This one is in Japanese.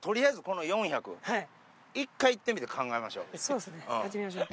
そうですねやってみましょう。